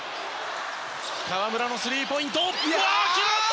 河村のスリーポイント決まった！